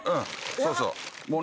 そうそう。